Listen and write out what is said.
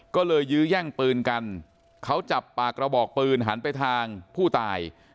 ก็เลยยื้อแย่งปืนกันเขาจับปากกระบอกปืนหันไปทางผู้ตาย